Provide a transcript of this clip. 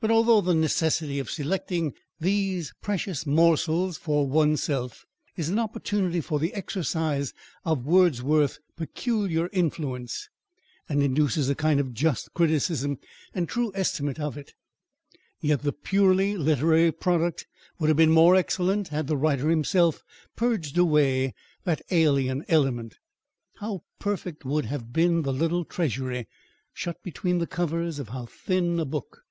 But although the necessity of selecting these precious morsels for oneself is an opportunity for the exercise of Wordsworth's peculiar influence, and induces a kind of just criticism and true estimate of it, yet the purely literary product would have been more excellent, had the writer himself purged away that alien element. How perfect would have been the little treasury, shut between the covers of how thin a book!